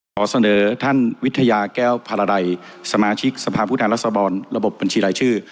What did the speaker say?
ขอเสนอท่านวิทยาแก้วพาราดัยสมาชิกสภาพผู้แทนรัศดรระบบบบัญชีรายชื่อ